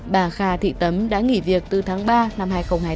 bà kha thị tấm đã nghỉ việc từ tháng ba năm hai nghìn hai mươi